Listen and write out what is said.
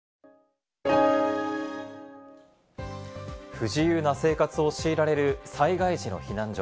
不自由な生活を強いられる災害時の避難所。